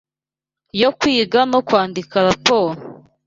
yo kwiga no kwandika raporo